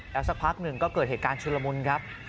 แล้วสักพักหนึ่งก็เกิดเหตุการณ์ชุลมุนครับ